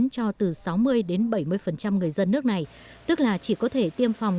cho từ sáu mươi đến bảy mươi người dân nước này tức là chỉ có thể tiêm phòng